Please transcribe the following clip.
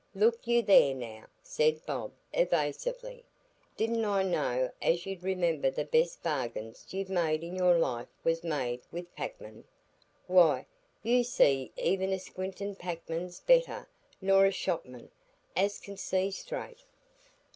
"Look you there now!" said Bob, evasively. "Didn't I know as you'd remember the best bargains you've made in your life was made wi' packmen? Why, you see even a squintin' packman's better nor a shopman as can see straight.